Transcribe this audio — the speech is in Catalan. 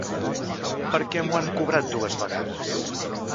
Per què m'ho han cobrat dues vegades?